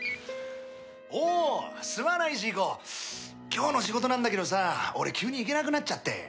今日の仕事なんだけどさ俺急に行けなくなっちゃって。